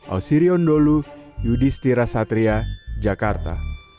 ausirion dholu yudhistira satria jakarta